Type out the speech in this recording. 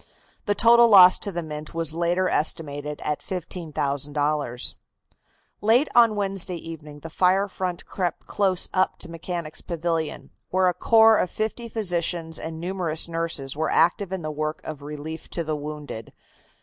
The total loss to the Mint was later estimated at $15,000. Late on Wednesday evening the fire front crept close up to Mechanics' Pavilion, where a corps of fifty physicians and numerous nurses were active in the work of relief to the wounded.